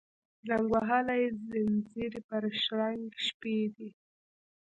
زنګ وهلي یې ځینځیر پر شرنګ یې شپې دي